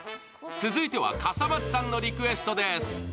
続いては、笠松さんのリクエストです。